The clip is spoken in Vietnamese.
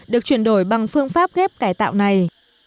được chuyển đổi bằng phương pháp ghép cải tạo này